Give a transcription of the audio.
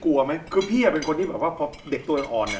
กลัวไหมคือพี่เป็นคนที่แบบว่าเด็กตัวอ่อน